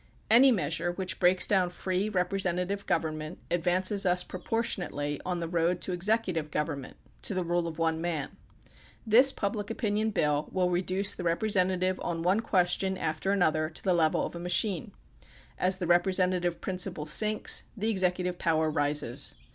Any measure which breaks down free representative government, advances us proportionately on the road to executive government, to the rule of one man. This Public Opinion Bill will reduce the representative on one question after another to the level of a machine. As the representative prin ciple sinks the executive power rises.